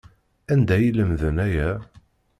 Anda ay lemden aya?